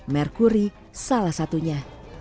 merkuri salah satunya